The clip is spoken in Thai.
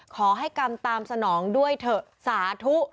ขอให้กรรมตามสนองด้วยเถอะสาธุ